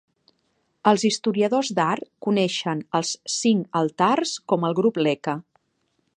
Els historiadors d"art coneixen els cinc altars com el "grup Leka"